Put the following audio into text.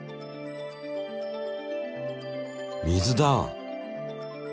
水だ！